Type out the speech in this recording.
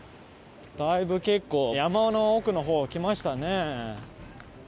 だいぶ結構山の奥の方来ましたね。